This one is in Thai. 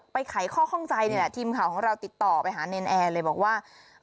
ไปขายข้อข้อมูลเนี้ยแหละทีมข่าวเราติดต่อไปหาเนนแอเลยบอกว่า